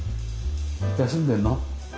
休んでるの？